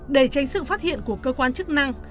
để tránh sự phát hiện của cơ quan chức năng